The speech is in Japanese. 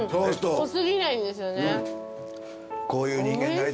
濃過ぎないんですよね。